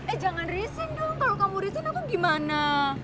eh jangan resign dong kalau kamu resign aku gimana